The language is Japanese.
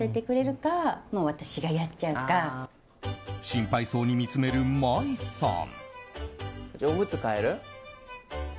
心配そうに見つめる麻衣さん。